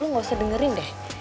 lu gak usah dengerin deh